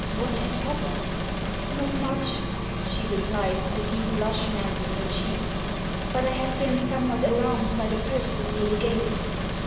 "What has happened?" "Not much," she replied, a deep blush mantling her cheeks. "But I have been somewhat alarmed by the person near the gate."